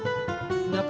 gak ada apa apa